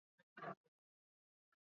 kujikomboa kutoka serikali ya khartum